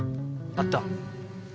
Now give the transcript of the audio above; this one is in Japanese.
あった！